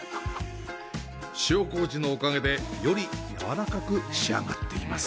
塩麹のおかげで、より柔らかく仕上がっています。